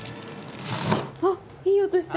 あっいい音した！